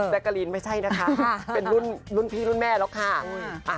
กะลีนไม่ใช่นะคะเป็นรุ่นพี่รุ่นแม่แล้วค่ะ